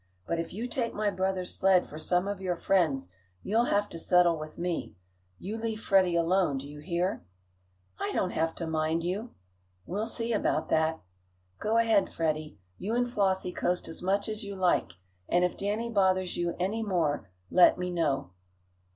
But if you take my brother's sled for some of your friends you'll have to settle with me. You leave Freddie alone; do you hear?" "I don't have to mind you!" "We'll see about that. Go ahead, Freddie. You and Flossie coast as much as you like, and if Danny bothers you any more let me know."